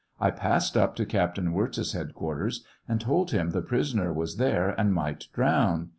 I passed up to Captain Wirz's headquarters, and told' him the prisoner was there and might drown.